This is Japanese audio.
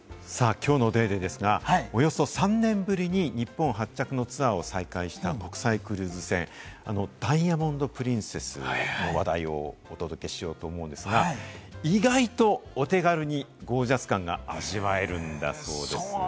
きょうの『ＤａｙＤａｙ．』ですが、およそ３年ぶりに日本発着のツアーを再開した国際クルーズ船、ダイヤモンド・プリンセスの話題をお届けしようと思うんですが、意外とお手軽にゴージャス感が味わえるんだそうです。